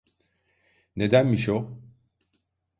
Nedenmiş o?